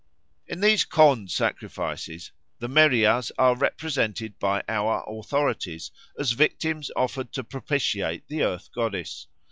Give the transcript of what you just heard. In these Khond sacrifices the Meriahs are represented by our authorities as victims offered to propitiate the Earth Goddess.